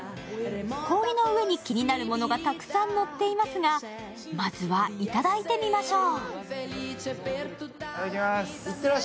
氷の上に気になるものがたくさんのっていますが、まずは、いただいてみましょう。